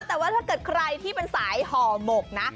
แต่ว่าถ้าเกิดใครที่เป็นสายห่อหมกนะ